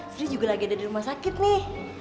sri juga lagi ada di rumah sakit nih